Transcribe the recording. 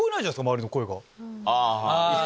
周りの声が。